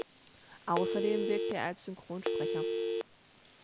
Außerdem wirkte er als Synchronsprecher.